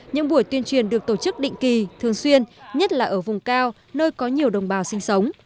những buổi tuyên truyền được tổ chức định kỳ thường xuyên nhất là ở vùng cao nơi có nhiều đồng bào sinh sống